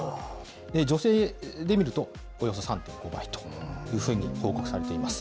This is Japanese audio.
女性で見ると、およそ３．５倍というふうに報告されています。